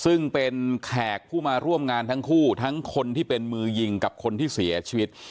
ซึ่งเป็นแขกผู้มาร่วมงานทั้งคู่ทั้งคนที่เป็นมือยิงกับคนที่เสียชีวิต